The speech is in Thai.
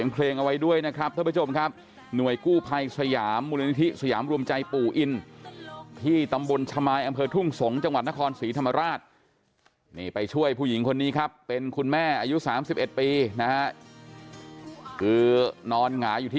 ฟ้าจะเล่นตลกชีวิตกูตกตั้งจะเอาชนะ